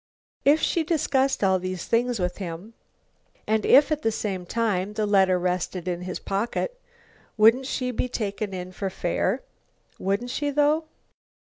If she discussed all these things with him, and if, at the same time, the letter rested in his pocket, wouldn't she be taken in for fair? Wouldn't she, though?